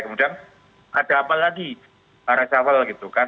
kemudian ada apa lagi reshuffle gitu kan